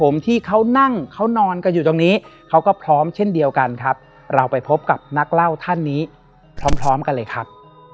มันก็อยู่ตรงนี้เขาก็พร้อมเช่นเดียวกันครับเราไปพบกับนักเล่าท่านนี้พร้อมกันเลยครับ